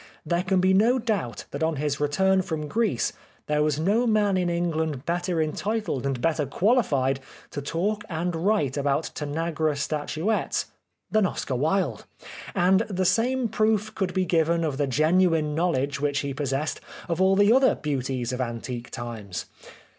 There can be no doubt that on his return from Greece there was no man in England better entitled and better qualified to talk and write about Tanagra statuettes than Oscar Wilde. And the same proof could be given of the genuine knowledge which he possessed of all the other beauties of antique times.